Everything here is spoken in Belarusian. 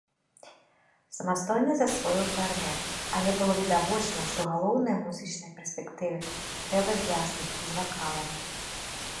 Самастойна засвоіў кларнет, але было відавочна, што галоўныя музычныя перспектывы трэба звязваць з вакалам.